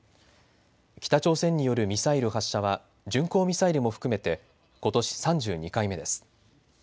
北朝鮮によるミサイル発射は巡航ミサイルも含めてことし３２回目です。